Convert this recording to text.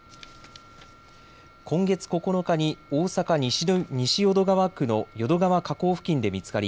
今月９日に大阪西淀川区の淀川河口付近で見つかり